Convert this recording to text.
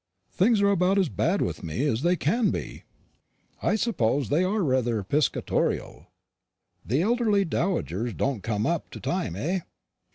Things are about as bad with me as they can be." "I suppose they are rather piscatorial. The elderly dowagers don't come up to time, eh?